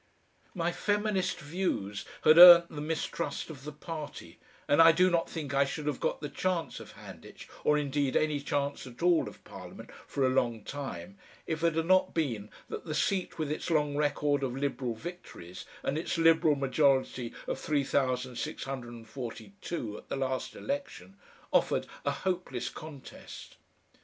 My feminist views had earnt the mistrust of the party, and I do not think I should have got the chance of Handitch or indeed any chance at all of Parliament for a long time, if it had not been that the seat with its long record of Liberal victories and its Liberal majority of 3642 at the last election, offered a hopeless contest.